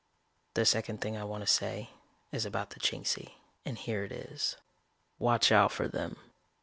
"The second thing I want to say is about the Chingsi, and here it is: watch out for them.